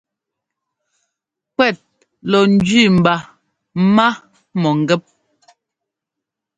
Kuɛt lɔ njẅi mba má mɔ̂ngɛ́p.